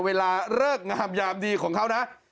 เวลาเริ่กงามดีของเขานะ